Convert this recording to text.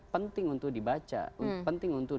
penting untuk dibaca penting untuk